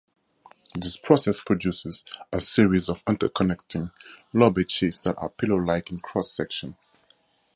This process produces a series of interconnecting lobate shapes that are pillow-like in cross-section.